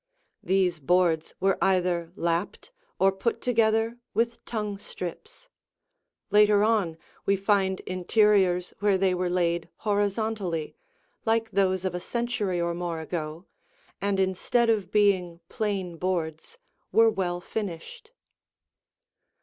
These boards were either lapped or put together with tongue strips. Later on, we find interiors where they were laid horizontally, like those of a century or more ago, and instead of being plain boards, were well finished.